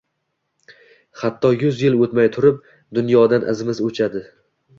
Hatto yuz yil oʻtmay turib, dunyodan izimiz oʻchadi